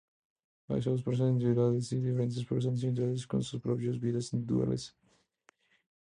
Hay solo personas individuales, diferentes personas individuales, con sus propias vidas individuales.